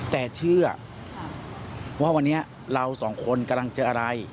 แต่เชื่อว่าวันนี้เราสองคนกำลังเจออะไร